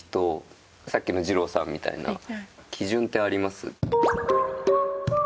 さっきのじろうさんみたいな基準ってあります？